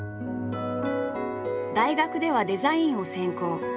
大学ではデザインを専攻。